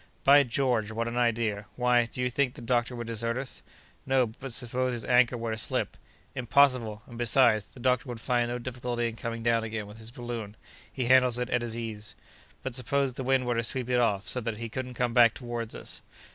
"By George, what an idea! Why, do you think the doctor would desert us?" "No; but suppose his anchor were to slip!" "Impossible! and, besides, the doctor would find no difficulty in coming down again with his balloon; he handles it at his ease." "But suppose the wind were to sweep it off, so that he couldn't come back toward us?"